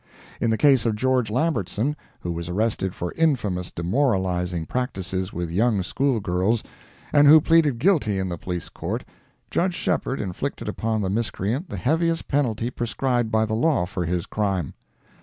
In the case of George Lambertson, who was arrested for infamous demoralizing practices with young school girls, and who pleaded guilty in the Police Court, Judge Shepheard inflicted upon the miscreant the heaviest penalty prescribed by the law for his crime.